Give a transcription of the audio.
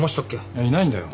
いやいないんだよ。